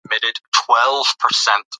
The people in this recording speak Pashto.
ماشومان باید د دوه کلنۍ وروسته شیدې وڅښي.